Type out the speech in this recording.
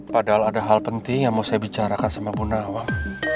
padahal ada hal penting yang mau saya bicarakan sama munawah